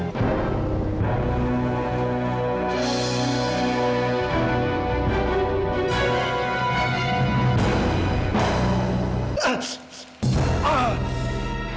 suka berasal dari hati itu